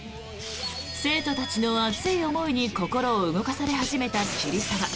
生徒たちの熱い思いに心を動かされ始めた桐沢。